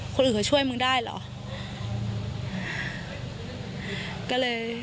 คนอื่นเขาช่วยมึงได้เหรอ